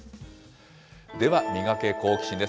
では、ミガケ、好奇心！です。